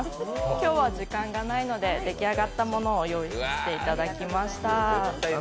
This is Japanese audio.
今日は時間がないので出来上がったものをご用意していただきました。